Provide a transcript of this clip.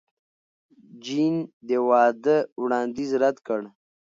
جین د واده وړاندیز رد کړ.